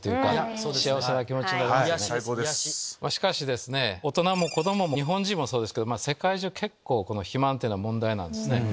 しかし大人も子供も日本人もそうですけど世界中結構肥満っていうのが問題なんですね。